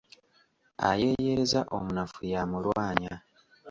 Ayeeyereza omunafu y'amulwanya.